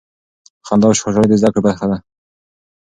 خندا او خوشحالي د زده کړې برخه ده.